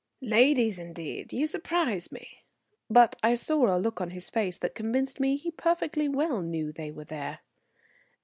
"Ladies indeed! You surprise me," but I saw a look on his face that convinced me he perfectly well knew they were there.